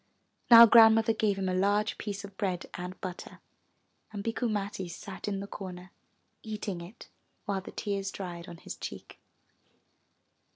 Now Grandmother gave him a large piece of bread and butter, and Bikku Matti sat in the corner eating it while the tears dried on his cheek.